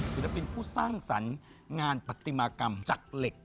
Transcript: สินตรรปินผู้สร้างสรรค์งานปฎิมาร์กำจัดเหล็ก